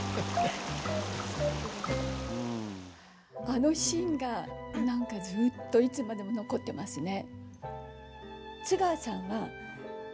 あのシーンがなんかずっといつまでも残ってますね。